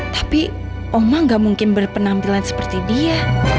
tapi oma gak mungkin berpenampilan seperti dia